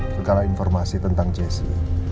segala informasi tentang jessy